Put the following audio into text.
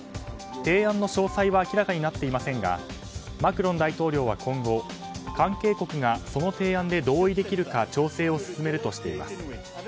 提案の詳細は明らかになっていませんがマクロン大統領は今後関係国がその提案で同意できるか調整を進めるとしています。